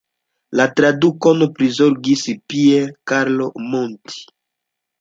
La tradukon prizorgis Pier Carlo Monti.